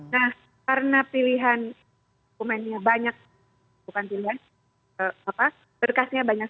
nah karena pilihan dokumennya banyak bukan pilihan berkasnya banyak